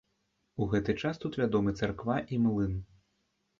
У гэты час тут вядомы царква і млын.